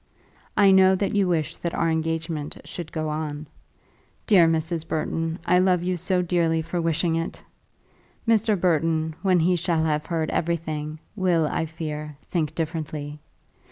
I know that you wish that our engagement should go on. Dear Mrs. Burton, I love you so dearly for wishing it! Mr. Burton, when he shall have heard everything, will, I fear, think differently.